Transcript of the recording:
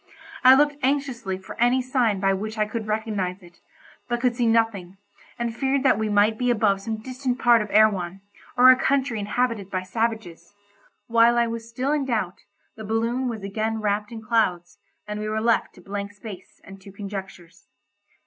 I looked anxiously for any sign by which I could recognise it, but could see nothing, and feared that we might be above some distant part of Erewhon, or a country inhabited by savages. While I was still in doubt, the balloon was again wrapped in clouds, and we were left to blank space and to conjectures.